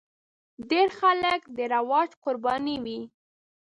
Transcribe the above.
ډېر خلک د رواج قرباني وي.